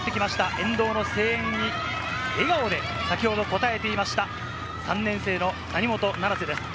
沿道の声援に笑顔で先ほど答えていました３年生の谷本七星です。